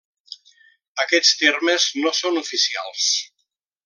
Aquests termes no són oficials.